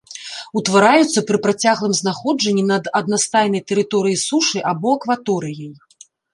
Утвараюцца пры працяглым знаходжанні над аднастайнай тэрыторыяй сушы або акваторыяй.